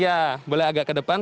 ya boleh agak ke depan